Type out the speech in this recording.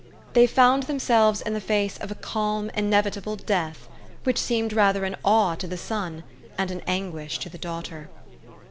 They found themselves in the face of a calm, in evitable death, which seemed rather an awe to the son, and an anguish to the daughter.